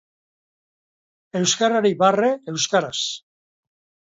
Euskarari barre, euskaraz.